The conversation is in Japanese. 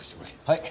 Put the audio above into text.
はい。